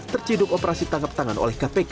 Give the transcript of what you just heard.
terciduk operasi tangkap tangan oleh kpk